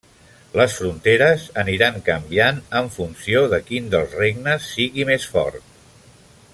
Les fronteres aniran canviant en funció de quin dels regnes sigui més fort.